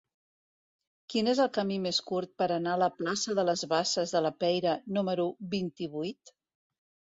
Quin és el camí més curt per anar a la plaça de les Basses de la Peira número vint-i-vuit?